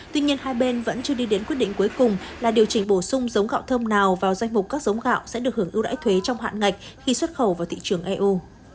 tuy nhiên hai bên vẫn chưa đi đến quyết định cuối cùng là điều chỉnh bổ sung giống gạo thơm nào vào danh mục các giống gạo sẽ được hưởng ưu đãi thuế trong hạn ngạch khi xuất khẩu vào thị trường eu